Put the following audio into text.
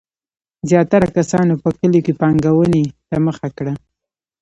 زیاتره کسانو په کلیو کې پانګونې ته مخه کړه.